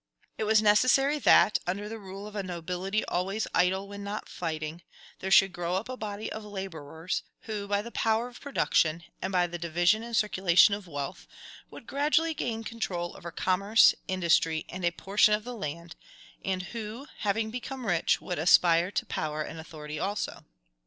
It was necessary that, under the rule of a nobility always idle when not fighting, there should grow up a body of laborers, who, by the power of production, and by the division and circulation of wealth, would gradually gain control over commerce, industry, and a portion of the land, and who, having become rich, would aspire to power and authority also.